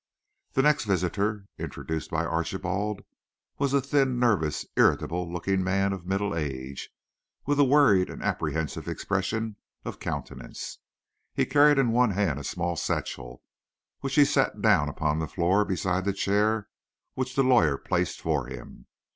The next visitor introduced by Archibald was a thin, nervous, irritable looking man of middle age, with a worried and apprehensive expression of countenance. He carried in one hand a small satchel, which he set down upon the floor beside the chair which the lawyer placed for him.